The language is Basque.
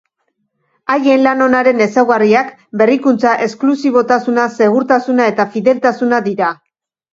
Haien lan onaren ezaugarriak berrikuntza, esklusibotasuna, segurtasuna eta fideltasuna dira.